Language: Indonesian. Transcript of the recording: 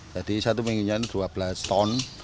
jadi satu minggu ini dua belas ton